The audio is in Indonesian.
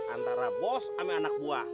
antara bos sama anak buah